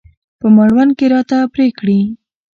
په مړوند کې راته پرې کړي.